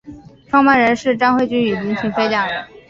创办人是詹慧君与林庭妃两人。